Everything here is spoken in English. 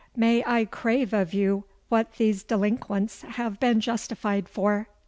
May I crave of you what these delinquents have been justified for?"